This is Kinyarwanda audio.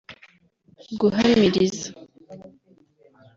guhamiriza